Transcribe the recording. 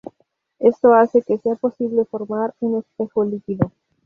Esto hace que sea posible formar un espejo líquido.